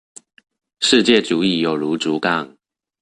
世界主義有如竹槓